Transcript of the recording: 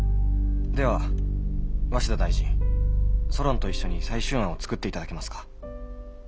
「では鷲田大臣ソロンと一緒に最終案を作っていただけますか？」。